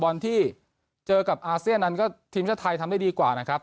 บอลที่เจอกับอาเซียนนั้นก็ทีมชาติไทยทำได้ดีกว่านะครับ